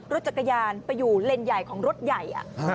รถจักรยานไปอยู่เลนส์ใหญ่ของรถใหญ่